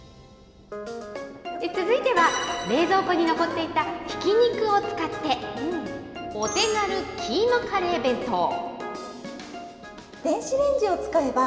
続いては、冷蔵庫に残っていたひき肉を使って、お手軽キーマカレー弁当。